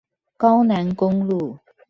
高楠公路